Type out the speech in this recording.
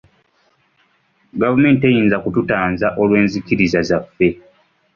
Gavumenti teyinza kututanza olw'enzikiriza zaffe.